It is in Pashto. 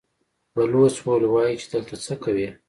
بلوڅ وويل: وايي چې دلته څه کوئ؟